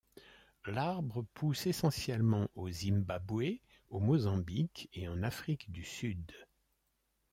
L'arbre pousse essentiellement au Zimbabwe, au Mozambique et en Afrique du Sud.